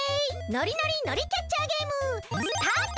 ノリノリ海苔キャッチャーゲームスタート！